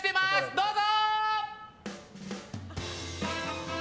どうぞ！